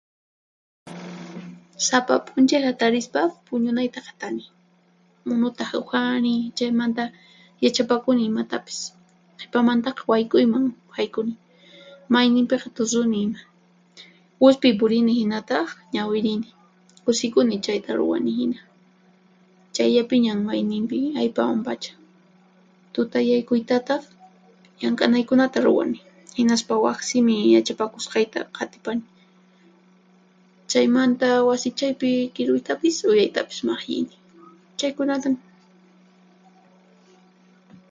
Sapa p'unchay hatarispa puñunayta qatani, unuta uhani chaymanta yachapakuni imatapis, qhipamantaqa wayk'uyman haykuni. Mayninpiqa tusuni ima. Wuspi purini hinataq ñawirini. Kusikuni chayta ruwani hina, chayllapiñan mayninpi aypawan pacha. Tutayaykuytataq, llank'anaykunata ruwani, hinaspa waq simi yachapakusqayta qatipani, chaymanta wasichaypi kiruytapis uyaytapis maqllini. Chaykunatan.